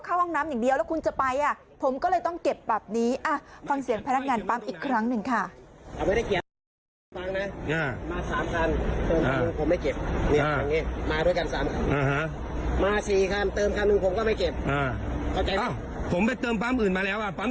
ปั๊มเชียวปั๊มอื่นมาแล้วอ่ะคนละสาขาอ่าปั๊มเชียวเหมือนกันไหม